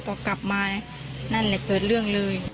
พอกลับมานั่นแหละเกิดเรื่องเลย